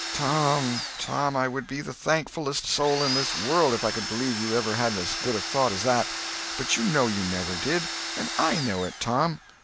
"Tom, Tom, I would be the thankfullest soul in this world if I could believe you ever had as good a thought as that, but you know you never did—and I know it, Tom."